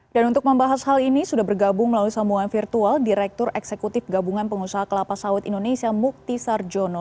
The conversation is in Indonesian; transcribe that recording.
untuk membahas hal ini sudah bergabung melalui sambungan virtual direktur eksekutif gabungan pengusaha kelapa sawit indonesia mukti sarjono